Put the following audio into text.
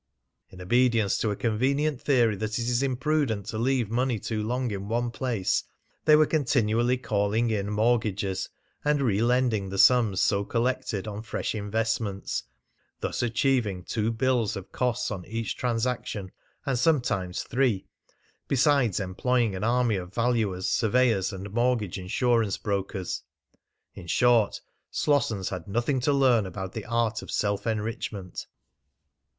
In obedience to a convenient theory that it is imprudent to leave money too long in one place, they were continually calling in mortgages and re lending the sums so collected on fresh investments, thus achieving two bills of costs on each transaction, and sometimes three, besides employing an army of valuers, surveyors, and mortgage insurance brokers. In short, Slossons had nothing to learn about the art of self enrichment.